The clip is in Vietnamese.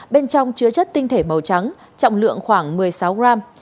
bên trong chứa chất tinh thể màu trắng trọng lượng khoảng một mươi sáu gram